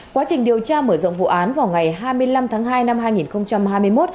quá trình điều tra mở rộng vụ án vào ngày hai mươi năm tháng hai năm hai nghìn hai mươi một